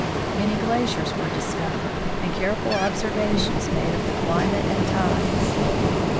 Many glaciers were discovered, and careful observations made of the climate and tides.